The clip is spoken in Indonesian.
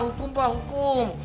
hukum pak hukum